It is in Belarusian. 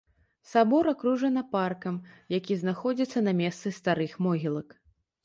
Сабор акружана паркам, які знаходзіцца на месцы старых могілак.